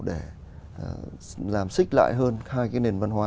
để làm xích lại hơn hai nền văn hóa